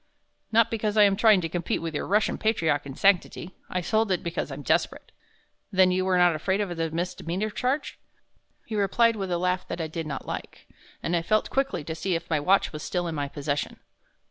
"Not because I am trying to compete with your Russian patriarch in sanctity. I sold it because I'm desperate." "Then you were not afraid of the misdemeanor charge?" He replied with a laugh that I did not like, and I felt quickly to see if my watch was still in my possession.